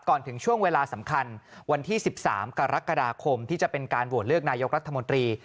ถึงช่วงเวลาสำคัญวันที่๑๓กรกฎาคมที่จะเป็นการโหวตเลือกนายกรัฐมนตรี